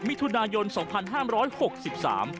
มิถุนายนสองพันห้ามร้อยหกสิบสาม